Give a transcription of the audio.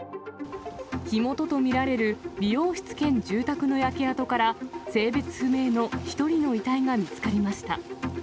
火元と見られる美容室兼住宅の焼け跡から、性別不明の１人の遺体が見つかりました。